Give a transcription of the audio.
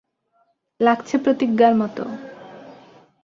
লাগছে প্রতিজ্ঞার মতো।